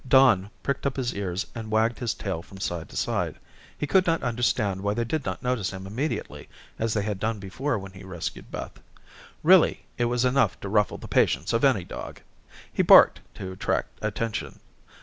Don pricked up his ears, and wagged his tail from side to side. He could not understand why they did not notice him immediately as they had done before when he rescued Beth. Really, it was enough to ruffle the patience of any dog. He barked to attract attention.